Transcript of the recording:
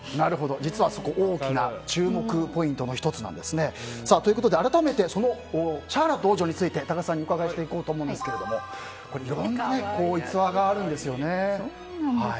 実は、そこが大きな注目ポイントの１つなんです。ということで、改めてシャーロット王女について多賀さんにお伺いしていこうと思うんですがいろんな逸話があるんですよね。